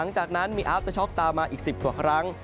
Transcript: หลังจากนั้นมีอาร์ตเตอร์ช็อกตามมาอีก๑๐กว่าครั้ง